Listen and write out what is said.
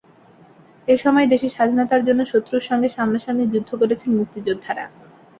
এ সময় দেশে স্বাধীনতার জন্য শত্রুর সঙ্গে সামনাসামনি যুদ্ধ করেছেন মুক্তিযোদ্ধারা।